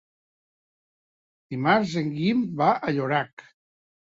Dimarts en Guim va a Llorac.